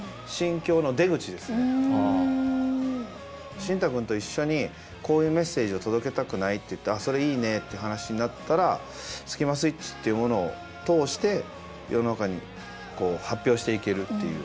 シンタくんと一緒に「こういうメッセージを届けたくない？」って言って「あそれいいね」って話になったらスキマスイッチっていうものを通して世の中にこう発表していけるっていう。